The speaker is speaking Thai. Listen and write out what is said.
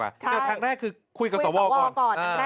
แนวทางแรกคือคุยกับสวก่อนนะครับ